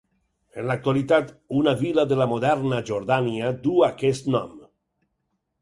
En l'actualitat, una vila de la moderna Jordània duu aquest nom.